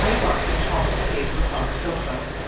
Larkin tossed the paper upon the sofa.